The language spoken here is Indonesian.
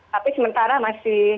tapi sementara masih